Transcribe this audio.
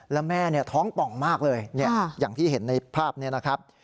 แล้วแม่ท้องป่องมากเลยอย่างที่เห็นในภาพนี้นะครับ